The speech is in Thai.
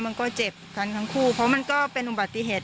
มันก็เจ็บกันทั้งคู่เพราะมันก็เป็นอุบัติเหตุ